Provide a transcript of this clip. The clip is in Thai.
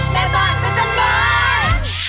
แม่บ้านพระจันทร์บ้าน